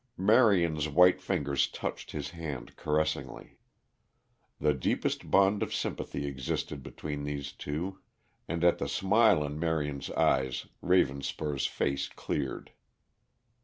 Marion's white fingers touched his hand caressingly. The deepest bond of sympathy existed between these two. And at the smile in Marion's eye Ravenspur's face cleared.